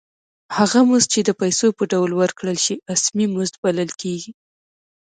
هغه مزد چې د پیسو په ډول ورکړل شي اسمي مزد بلل کېږي